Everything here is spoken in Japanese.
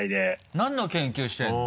何の研究してるの？